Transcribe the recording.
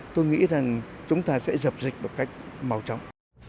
tôi nghĩ rằng chúng ta sẽ dập dịch một cách màu trống